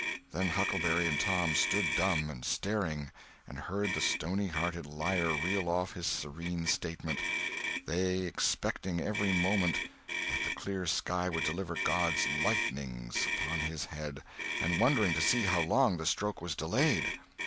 Then Huckleberry and Tom stood dumb and staring, and heard the stony hearted liar reel off his serene statement, they expecting every moment that the clear sky would deliver God's lightnings upon his head, and wondering to see how long the stroke was delayed.